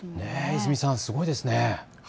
泉さん、すごいですね。